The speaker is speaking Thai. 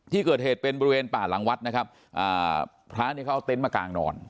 ที่เกิดเหตุเป็นบริเวณป่าหลังวัดนะครับอ่าพระเนี่ยเขาเอาเต็นต์มากางนอน